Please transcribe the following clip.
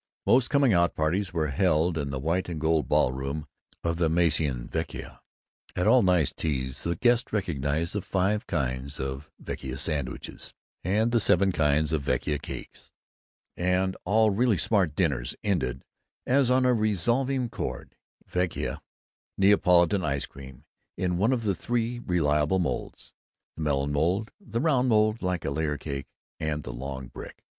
Most coming out parties were held in the white and gold ballroom of the Maison Vecchia; at all nice teas the guests recognized the five kinds of Vecchia sandwiches and the seven kinds of Vecchia cakes; and all really smart dinners ended, as on a resolving chord, in Vecchia Neapolitan ice cream in one of the three reliable molds the melon mold, the round mold like a layer cake, and the long brick.